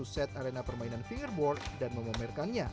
sepertinya sih iya harusnya